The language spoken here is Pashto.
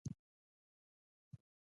ولسوالۍ د ولایت په مرکز پوري اړه لري